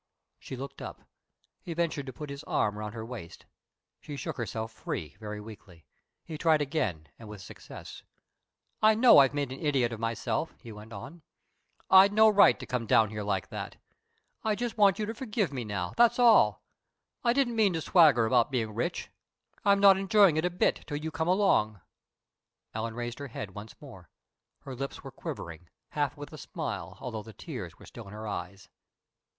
She looked up. He ventured to put his arm around her waist. She shook herself free, very weakly. He tried again and with success. "I know I've made an idiot of myself," he went on. "I'd no right to come down here like that. I just want you to forgive me now, that's all. I didn't mean to swagger about being rich. I'm not enjoying it a bit till you come along." Ellen raised her head once more. Her lips were' quivering, half with a smile, although the tears were still in her eyes.